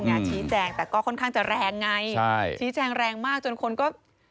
ชี้แจงแต่ก็ค่อนข้างจะแรงไงใช่ชี้แจงแรงมากจนคนก็